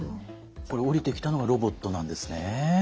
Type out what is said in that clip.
これ下りてきたのがロボットなんですね。